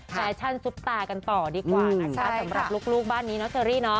แฟชั่นซุปตากันต่อดีกว่านะคะสำหรับลูกบ้านนี้เนาะเชอรี่เนาะ